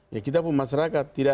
ya kita pun masyarakat